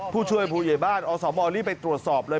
ผู้ช่วยผู้ใหญ่บ้านอสมรีบไปตรวจสอบเลย